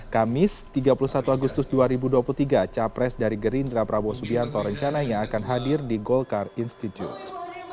kamis tiga puluh satu agustus dua ribu dua puluh tiga capres dari gerindra prabowo subianto rencananya akan hadir di golkar institute